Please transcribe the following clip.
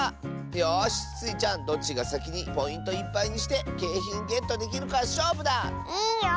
よしスイちゃんどっちがさきにポイントいっぱいにしてけいひんゲットできるかしょうぶだ！